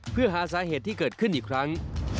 เพื่อหาสาเหตุที่เกิดขึ้นอีกครั้ง